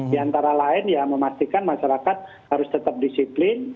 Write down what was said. di antara lain ya memastikan masyarakat harus tetap disiplin